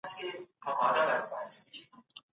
که پس انداز زيات وي سرمايه ګزاري به ډېره سي.